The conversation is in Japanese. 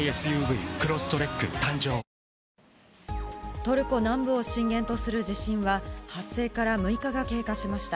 トルコ南部を震源とする地震は、発生から６日が経過しました。